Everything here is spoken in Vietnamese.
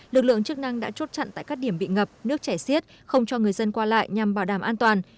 lực lượng chức năng đã chốt chặn tại các điểm bị ngập nước chảy xiết không cho người dân qua lại nhằm bảo đảm an toàn